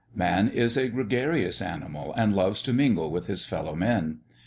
Man is a gregarious animal and loves to mingle with his fellow men.